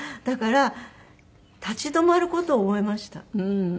だから立ち止まる事を覚えました。